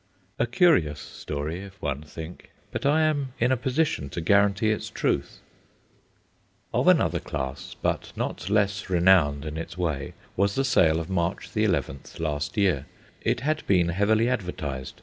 A curious story, if one think, but I am in a position to guarantee its truth. Of another class, but not less renowned in its way, was the sale of March 11th last year. It had been heavily advertised.